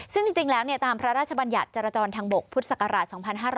ซึ่งจริงแล้วตามพระราชบัญญัติจรจรทางบกพุทธศักราช๒๕๕๙